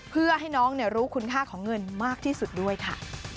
เพื่อให้น้องรู้คุณค่าของเงินมากที่สุดด้วยค่ะ